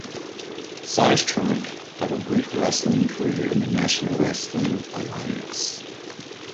Sistrunk had a brief wrestling career in the National Wrestling Alliance.